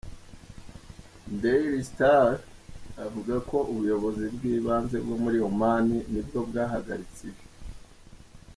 DailyStar, avuga ko ubuyobozi bwibanze bwo muri Oman nibwo bwahagaritse ibi.